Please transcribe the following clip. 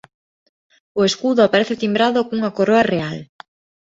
O escudo aparece timbrado cunha coroa real.